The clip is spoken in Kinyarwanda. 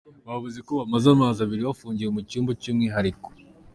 Bavuze ko bamaze amazi abiri bafungiwe mu cyumba cy’umwihariko.